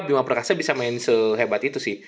bima perkasa bisa main sehebat itu sih